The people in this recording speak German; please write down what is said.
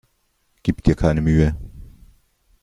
Gib dir keine Mühe!